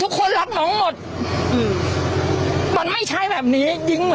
ทุกคนต้องหมดอืมมันไม่ใช่แบบนี้